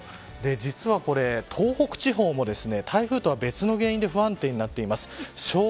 実は東北地方も台風と別の原因で不安定になってます。